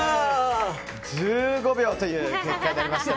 １５秒という結果になりました。